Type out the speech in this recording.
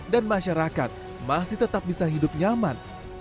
dan masyarakat masih tetap bisa hidup nyaman